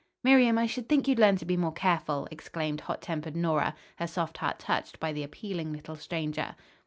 "Miriam, I should think you'd learn to be more careful," exclaimed hot tempered Nora, her soft heart touched by the appealing little stranger.